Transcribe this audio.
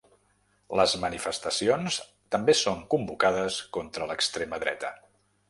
Les manifestacions també són convocades contra l’extrema dreta.